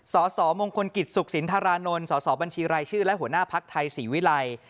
สสมงคลกิจสุขสินธารานนท์สสบัญชีรายชื่อและหัวหน้าภักดิ์ไทยศรีวิรัย